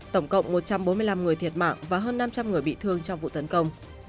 tổng cộng một trăm bốn mươi năm người thiệt mạng và hơn năm trăm linh người bị thương trong vụ tấn công